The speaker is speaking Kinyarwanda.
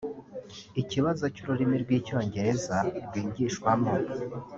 ikibazo cy’ururimi rw’icyongereza rwigishwamo